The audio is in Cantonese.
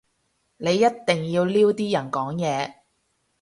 你一定要撩啲人講嘢